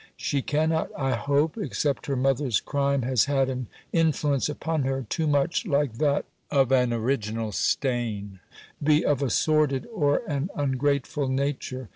She cannot, I hope (except her mother's crime has had an influence upon her, too much like that of an original stain), be of a sordid, or an ungrateful nature.